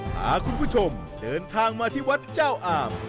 พาคุณผู้ชมเดินทางมาที่วัดเจ้าอาม